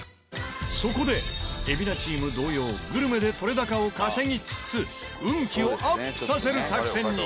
そこで海老名チーム同様グルメで撮れ高を稼ぎつつ運気をアップさせる作戦に。